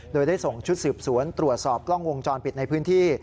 โดยได้ส่งชุดสืบสวนตรวจสอบกล้องวงจรปิดในพื้นที่